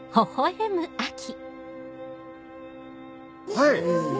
はい！